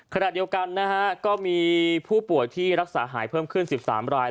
ขณะเดียวกันนะฮะก็มีผู้ป่วยที่รักษาหายเพิ่มขึ้น๑๓ราย